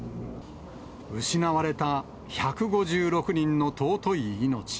失われた１５６人の尊い命。